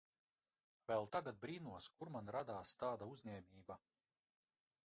Vēl tagad brīnos, kur man radās tāda uzņēmība.